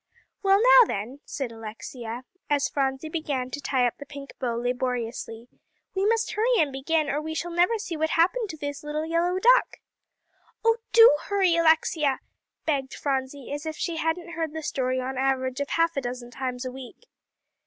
"Well, now then," said Alexia, as Phronsie began to tie up the pink bow laboriously, "we must hurry and begin, or we never shall see what happened to this 'Little Yellow Duck.'" "Oh, do hurry, Alexia," begged Phronsie, as if she hadn't heard the story on an average of half a dozen times a week.